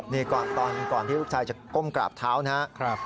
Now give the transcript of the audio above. นี่ก่อนที่ลูกชายจะก้มกราบเท้านะครับ